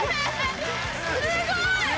すごーい。